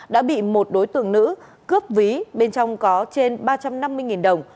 đã bị một đối tượng nữ cướp ví bên trong có trên ba trăm năm mươi đồng